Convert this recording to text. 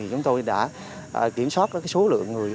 chúng tôi đã kiểm soát số lượng người